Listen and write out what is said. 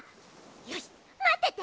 よしまってて！